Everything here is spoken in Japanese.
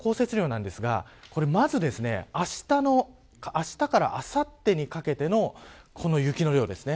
予想降雪量なんですがまず、あしたからあさってにかけての雪の量ですね。